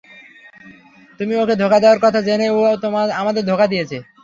তুমি ওকে ধোঁকা দেয়ার কথা জেনেই ও আমাদের ধোঁকা দিয়েছে।